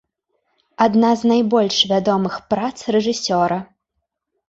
Адна з найбольш вядомых прац рэжысёра.